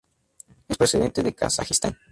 Es procedente de Kazajistán.